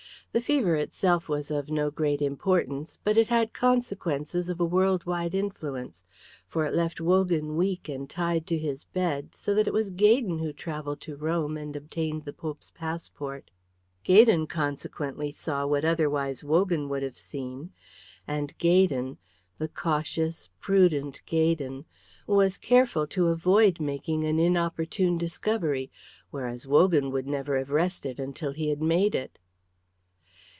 The fever itself was of no great importance, but it had consequences of a world wide influence, for it left Wogan weak and tied to his bed; so that it was Gaydon who travelled to Rome and obtained the Pope's passport. Gaydon consequently saw what otherwise Wogan would have seen; and Gaydon, the cautious, prudent Gaydon, was careful to avoid making an inopportune discovery, whereas Wogan would never have rested until he had made it.